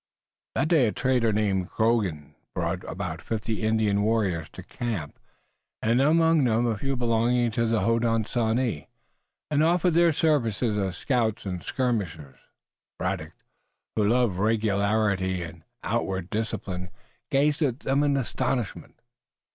That day a trader named Croghan brought about fifty Indian warriors to the camp, among them a few belonging to the Hodenosaunee, and offered their services as scouts and skirmishers. Braddock, who loved regularity and outward discipline, gazed at them in astonishment.